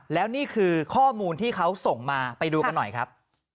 แล้วนี่คือข้อมูลที่เขาส่งมาไปดูกันหน่อยครับ